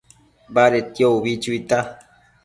Badedquio ubi chuita